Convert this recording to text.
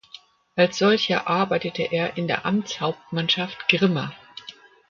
Als solcher arbeitete er in der Amtshauptmannschaft Grimma.